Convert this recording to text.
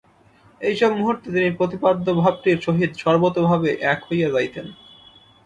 এইসব মুহূর্তে তিনি প্রতিপাদ্য ভাবটির সহিত সর্বতোভাবে এক হইয়া যাইতেন।